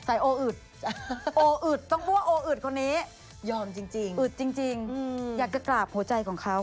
โออึดโออึดต้องพูดว่าโออึดคนนี้ยอมจริงอึดจริงอยากจะกราบหัวใจของเขา